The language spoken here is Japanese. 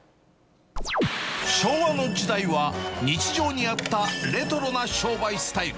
昭和の時代は日常にあったレトロな商売スタイル。